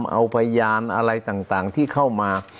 เอาพยานอะไรต่างที่เข้ามา